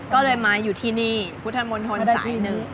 ก็เลยมาอยู่ที่นี่กุธมนต์ธนศ์สหายนึง